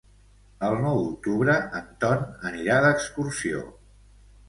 El nou d'octubre en Ton anirà d'excursió.